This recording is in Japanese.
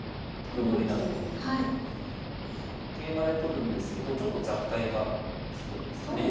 桂馬で取るんですけどちょっと弱体化するんですね。